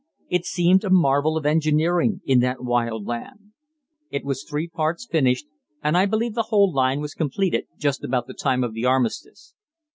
It seemed a marvel of engineering in that wild land. It was three parts finished, and I believe the whole line was completed just about the time of the Armistice.